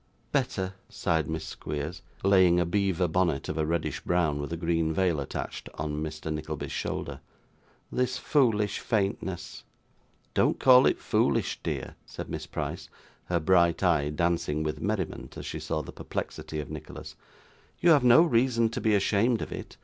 'Better,' sighed Miss Squeers, laying a beaver bonnet of a reddish brown with a green veil attached, on Mr. Nickleby's shoulder. 'This foolish faintness!' 'Don't call it foolish, dear,' said Miss Price: her bright eye dancing with merriment as she saw the perplexity of Nicholas; 'you have no reason to be ashamed of it.